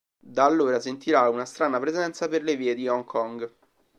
Da allora, sentirà una strana presenza per le vie di Hong Kong.